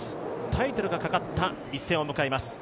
タイトルがかかった一戦を迎えます。